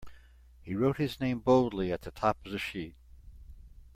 He wrote his name boldly at the top of the sheet.